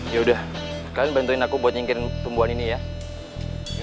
yaudah kalian bantuin aku buat nyingkirin pembuhan ini ya